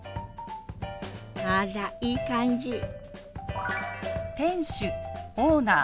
あらいい感じ！